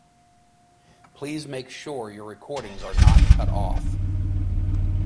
Please make sure your recordings are not cut off.